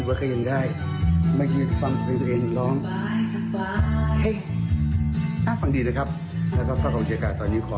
ขอให้ปีนี้เป็นปีที่ดีของพวกเราทุกคน